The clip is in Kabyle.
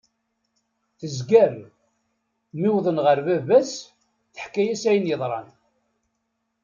Tezger, mi wḍen ɣer baba-s teḥka-as ayen yeḍran.